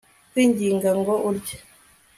kwinginga ngo urye